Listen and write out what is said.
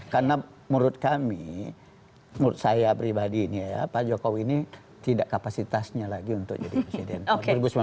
karena menurut kami menurut saya pribadi ini ya pak jokowi ini tidak kapasitasnya lagi untuk jadi presiden